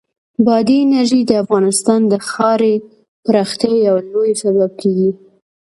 بادي انرژي د افغانستان د ښاري پراختیا یو لوی سبب کېږي.